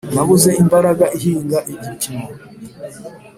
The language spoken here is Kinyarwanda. Nabuze imbaraga ihinga igipimo